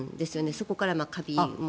そこからカビも。